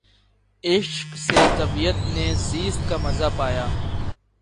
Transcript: عشق سے طبیعت نے زیست کا مزا پایا